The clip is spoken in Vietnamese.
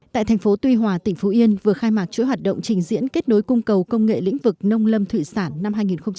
tại thành phố tuy hòa tỉnh phú yên vừa khai mạc chuỗi hoạt động trình diễn kết nối cung cầu công nghệ lĩnh vực nông lâm thủy sản năm hai nghìn một mươi tám